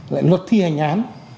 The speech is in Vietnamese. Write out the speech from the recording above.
luật thi hành án